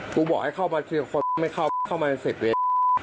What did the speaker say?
กูบอกให้เข้ามาคือคนไม่เข้าเข้ามาเสร็จเลย